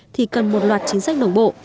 thì cần một loạt chính sách đồng bộ